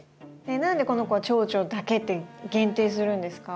何でこの子はチョウチョだけって限定するんですか？